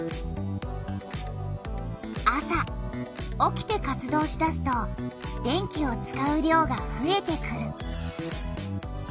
朝起きて活動しだすと電気を使う量がふえてくる。